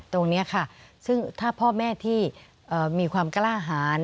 ตรงนี้ค่ะซึ่งถ้าพ่อแม่ที่มีความกล้าหาร